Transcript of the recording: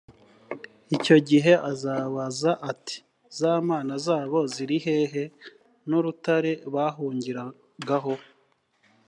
icyo gihe azabaza ati «za mana zabo ziri hehe, n’urutare bahungiragaho?